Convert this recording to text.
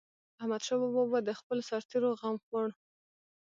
احمدشاه بابا به د خپلو سرتيرو غم خوړ.